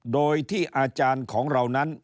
โดยที่อาจารย์ของเรานั้น